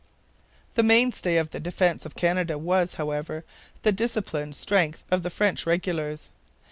The mainstay of the defence of Canada was, however, the disciplined strength of the French regulars.